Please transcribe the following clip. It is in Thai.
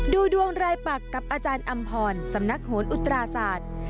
ดูดวงรายปักกับอาจารย์อำพรสำนักโหนอุตราศาสตร์